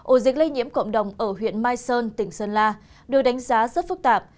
ổ dịch lây nhiễm cộng đồng ở huyện mai sơn tỉnh sơn la được đánh giá rất phức tạp